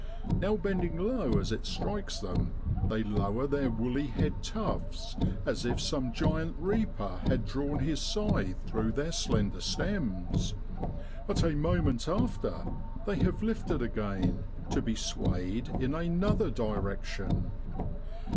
now bending low as it strikes them, they lower their woolly head tufts, as if some giant reaper had drawn his scythe through their slender stems, but a moment after they have lifted again, to be swayed in another direction.